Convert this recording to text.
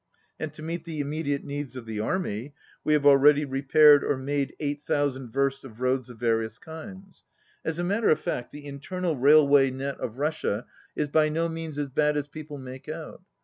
And to meet the immediate needs of the army we have already repaired or made 8,000 versts of roads of various kinds. As a matter of fact the 100 internal railway net of Russia is by no means as bad as people make out.